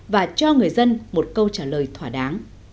và cho người dân một câu trả lời thỏa đáng